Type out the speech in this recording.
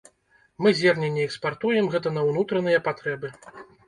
Мы зерне не экспартуем, гэта на унутраныя патрэбы.